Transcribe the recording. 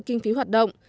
kinh phí hoạt động